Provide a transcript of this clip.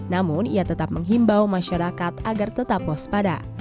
namun ia tetap menghimbau masyarakat agar tetap waspada